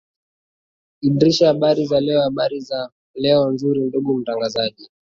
idrisha habari za leo habari za leo nzuri ndugu mtangazaji